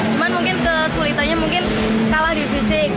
cuman mungkin kesulitannya mungkin kalah di fisik